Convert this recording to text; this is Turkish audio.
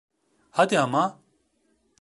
Hadi ama!